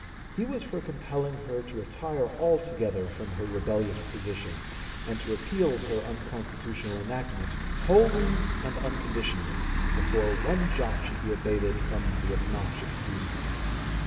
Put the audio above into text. He was for compelling her to retire altogether from her rebellious position and to repeal her unconstitutional enactments wholly and unconditionally, before one jot should be abated from the obnoxious duties.